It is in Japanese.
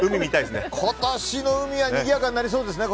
今年の海はにぎやかになりそうですね。